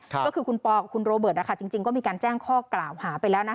ก็คือคุณปอกับคุณโรเบิร์ตจริงก็มีการแจ้งข้อกล่าวหาไปแล้วนะ